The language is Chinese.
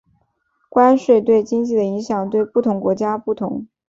关税对经济的影响对不同国家不同。